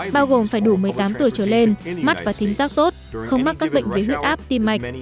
bao gồm phải đủ một mươi tám tuổi trở lên mắt và tính giác tốt không mắc các bệnh về huyết áp tim mạch